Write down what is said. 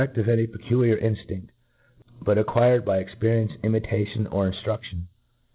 ^ iSkset of any peculiar inftina^ but iacquircd by experience, imitation, o% inftruftion.